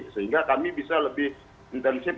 sehingga kami bisa lebih intensif